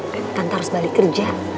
kan tante harus balik kerja